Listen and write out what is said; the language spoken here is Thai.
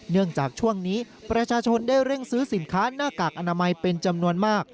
จากช่วงนี้ประชาชนได้เร่งซื้อสินค้าหน้ากากอนามัยเป็นจำนวนมาก